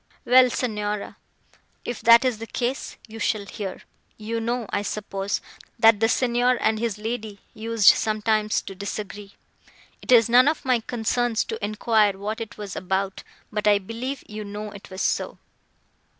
"Well, Signora, if that is the case, you shall hear.—You know, I suppose, that the Signor and his lady used sometimes to disagree. It is none of my concerns to enquire what it was about, but I believe you know it was so."